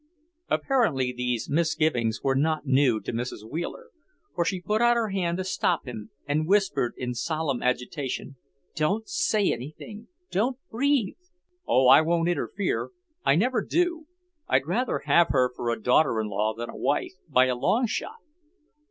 Apparently these misgivings were not new to Mrs. Wheeler, for she put out her hand to stop him and whispered in solemn agitation, "Don't say anything! Don't breathe!" "Oh, I won't interfere! I never do. I'd rather have her for a daughter in law than a wife, by a long shot.